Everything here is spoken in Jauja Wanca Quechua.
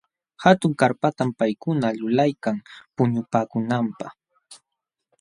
Hatun karpatam paykuna lulaykan puñupaakunanpaq.